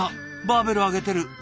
バーベル挙げてる。